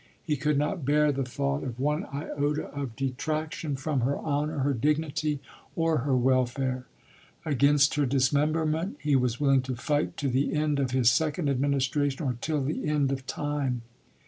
He could not bear the thought of one iota of detraction from her honor, her dignity or her welfare. Against her dismemberment he was willing to fight to the end of his second administration or till the end of time.